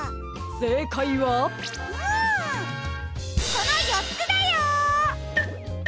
このよっつだよ！